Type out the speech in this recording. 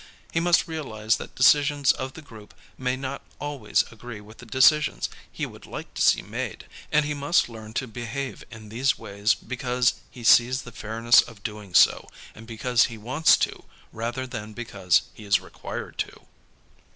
He must realize that decisions of the group may not always agree with the decisions he would like to see made. And he must learn to behave in these ways because he sees the fairness of so doing, and because he wants to rather than because he is required to.